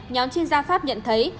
nhóm chuyên gia pháp nhận thấy